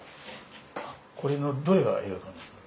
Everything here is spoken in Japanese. これのどれが映画館ですか？